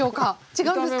違うんですか？